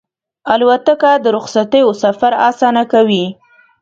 الوتکه د رخصتیو سفر اسانه کوي.